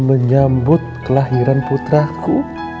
menyambut kelahiran putra ku